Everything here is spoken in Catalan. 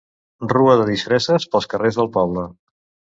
Rua de disfresses pels carrers del poble.